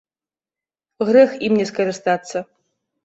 Грэх ім не скарыстацца.